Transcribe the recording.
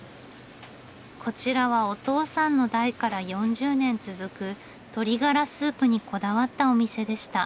こちらはお父さんの代から４０年続く鶏ガラスープにこだわったお店でした。